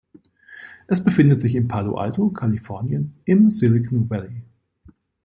Es befindet sich in Palo Alto, Kalifornien, im Silicon Valley.